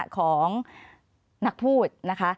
ขอบคุณครับ